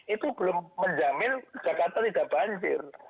itu belum menjamin jakarta tidak banjir